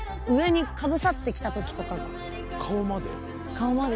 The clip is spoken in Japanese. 顔まで？